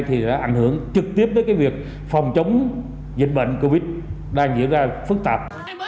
thì đã ảnh hưởng trực tiếp tới việc phòng chống dịch bệnh covid đang diễn ra phức tạp